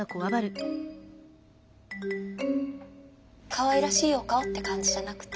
かわいらしいお顔って感じじゃなくて。